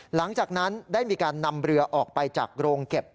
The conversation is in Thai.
หลังจากนั้นได้มีการนำเรือออกไปจากโรงเก็บ